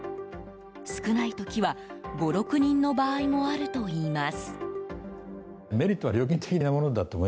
少ない時は、５６人の場合もあるといいます。